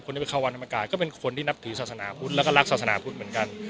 ที่ไปเข้าวัดธรรมกายก็เป็นคนที่นับถือศาสนาพุทธแล้วก็รักศาสนาพุทธเหมือนกัน